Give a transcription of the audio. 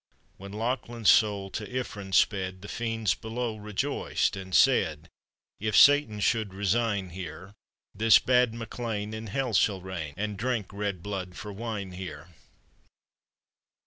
WThen Lachlan's soul to Ifrinn sped, The fiends below rejoiced, and said, "If Satan should resign here, This bad MncLcan in hell shall reign. And drink red blood tor wine here."